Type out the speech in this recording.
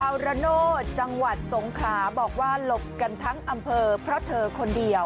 เอาระโนธจังหวัดสงขลาบอกว่าหลบกันทั้งอำเภอเพราะเธอคนเดียว